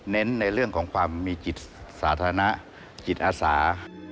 ในเรื่องของความมีจิตสาธารณะจิตอาสา